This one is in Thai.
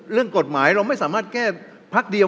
เรื่องกฎหมายเราไม่สามารถแก้พักเดียว